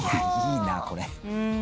「いいなこれ」